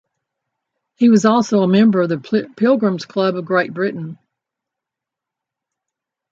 He was also a member of the Pilgrims Club of Great Britain.